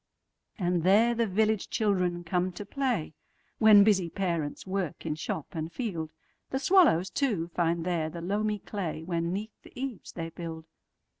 And there the village children come to play, When busy parents work in shop and field. The swallows, too, find there the loamy clayWhen 'neath the eaves they build.